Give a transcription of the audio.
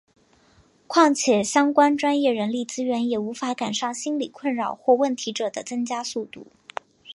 况且相关专业人力资源也无法赶上心理困扰或问题者的增加速度。